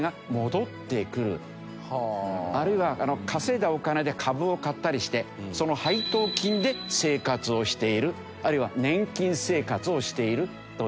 あるいは稼いだお金で株を買ったりしてその配当金で生活をしているあるいは年金生活をしているという。